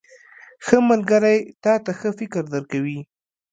• ښه ملګری تا ته ښه فکر درکوي.